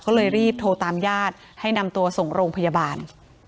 ก็เลยรีบโทรตามญาติให้นำตัวส่งโรงพยาบาล